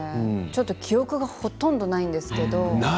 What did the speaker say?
ちょっと記憶がほとんどないんですけれど。